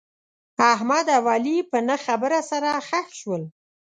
احمد او علي په نه خبره سره خښ شول.